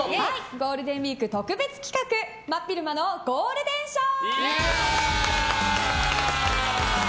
ゴールデンウィーク特別企画真っ昼間のゴールデンショー！